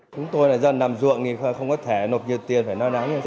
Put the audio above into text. chúng tôi là dân nằm ruộng thì không có thẻ nộp nhiều tiền phải lo lắng